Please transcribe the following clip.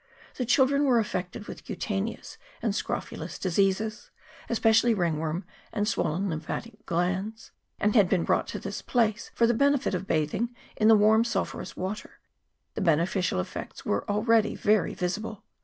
The children were affected with cutaneous and scrofulous diseases, especially ringworm and swollen lymphatic glands, and had been brought to this place for the benefit of bathing in the warm sulphurous water, the bene ficial effects of which were already very visible.